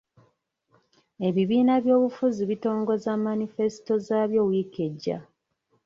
Ebibiina by'obufuzi bitongoza manifesito zaabyo wiiki ejja.